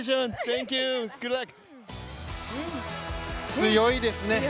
強いですね。